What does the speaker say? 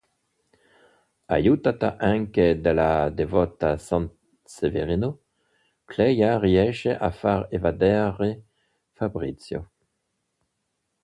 Aiutata anche dalla devota San Severino, Clelia riesce a far evadere Fabrizio.